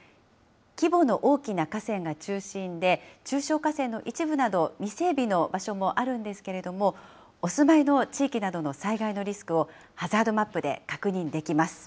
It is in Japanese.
規模の大きな河川が中心で、中小河川の一部など、未整備の場所もあるんですけれども、お住まいの地域などの災害のリスクをハザードマップで確認できます。